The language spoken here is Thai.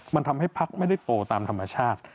มันทำให้พักไม่ได้โปรตามธรรมชาติ